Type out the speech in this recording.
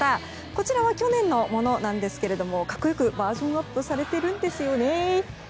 こちらは去年のものなんですが格好良くバージョンアップされているんですね。